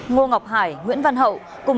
ngô ngọc hải nguyễn văn hậu